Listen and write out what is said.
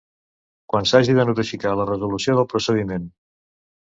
Quan s'hagi de notificar la resolució del procediment.